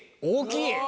大きい！